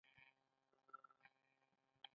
د مور میراث هم باید و خویندو ته ورکړل سي.